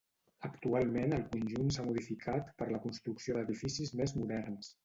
Actualment el conjunt s'ha modificat per la construcció d'edificis més moderns.